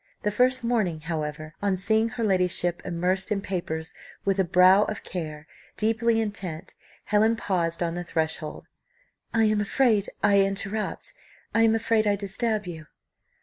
The first morning, however, on seeing her ladyship immersed in papers with a brow of care, deeply intent, Helen paused on the threshold, "I am afraid I interrupt I am afraid I disturb you."